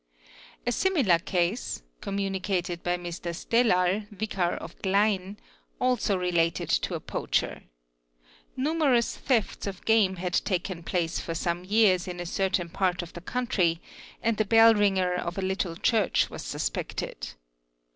| aq A similar case (communicated by M. Stelal, Vicar of Glein) also relate to a poacher. Numerous thefts of game had taken place for some yea in a certain part of the country and the bell ringer of a little church w: suspected.